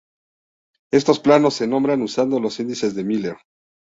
Estos planos se nombran usando los índices de Miller.